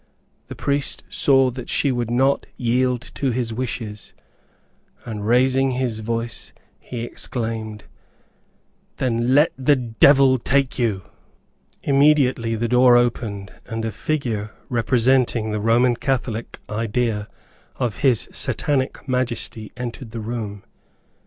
The priest saw that she would not yield to his wishes, and raising his voice, he exclaimed, "Then let the devil take you." Immediately the door opened, and a figure representing the Roman Catholic idea of his Satanic Majesty entered the room.